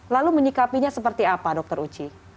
lalu menyikapinya seperti apa dokter uci